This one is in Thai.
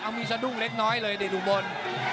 เอามีสะดุ้งเล็กน้อยเลยเดดูบน